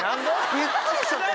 びっくりしちゃった。